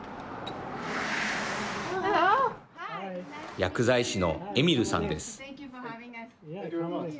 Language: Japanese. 薬剤師のエミルさんです。